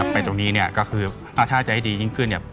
ตรงนี้เนี่ยก็คือถ้าจะให้ดียิ่งขึ้นเนี่ย